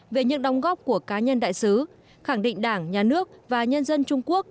về những đóng góp của cá nhân đại sứ khẳng định đảng nhà nước và nhân dân trung quốc